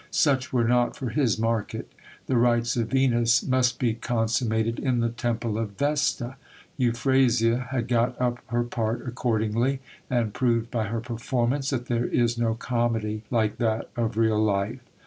Such were not for his market ; the rites of Venus must be consummated in the temple of Vesta. Euphrasia had got up her part accordingly, and proved by her performance that there is no comedy like that of real life.